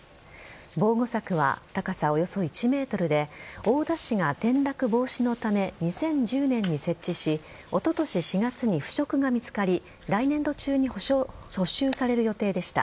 防護柵は高さおよそ１ｍで大田市が転落防止のため２０１０年に設置しおととし４月に腐食が見つかり来年度中に補修される予定でした。